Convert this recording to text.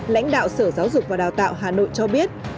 lãnh đạo sở giáo dục và đào tạo hà nội cho biết